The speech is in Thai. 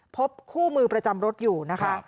พบคู่มือประจำรถอยู่นะคะ